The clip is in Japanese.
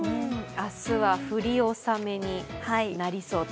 明日は降り納めになりそうと。